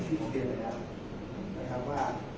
แต่ว่าไม่มีปรากฏว่าถ้าเกิดคนให้ยาที่๓๑